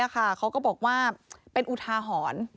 เขาก็บอกว่าเป็นอุทาหรณ์